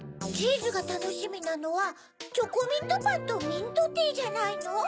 チーズがたのしみなのはチョコミントパンとミントティーじゃないの？